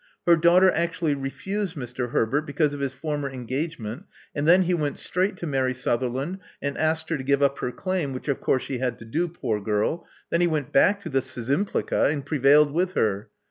Her daughter actually refused Mr. Herbert because of his former engagement; and then he went straight to Mary Sutherland, and asked her to give up her claim — which of course she had to do, poor girl. Then he went back to the Szczympli§a, and prevailed with her.